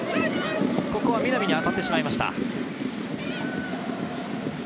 南に当たってしまいました。